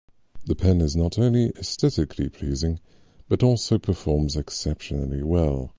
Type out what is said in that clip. The pen is not only aesthetically pleasing but also performs exceptionally well.